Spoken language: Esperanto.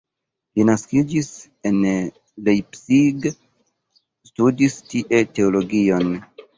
Li naskiĝis en Leipzig, studis tie teologion.